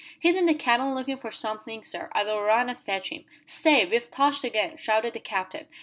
"He's in the cabin looking for something, sir; I'll run and fetch him." "Stay! We've touched again!" shouted the Captain.